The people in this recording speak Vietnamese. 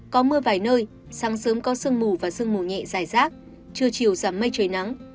có mưa vài nơi sáng sớm có sương mù và sương mù nhẹ dài rác trưa chiều giảm mây trời nắng